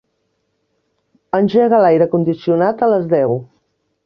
Engega l'aire condicionat a les deu.